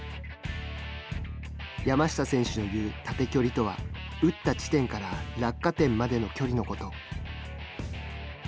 山下選手の言う、縦距離とは打った地点から落下点までの距離のこと。